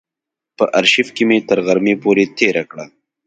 په آرشیف کې مې تر غرمې پورې تېره کړه.